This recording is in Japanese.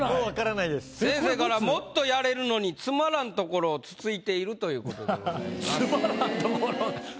先生から「もっとやれるのにつまらん所をつついてる」ということでございます。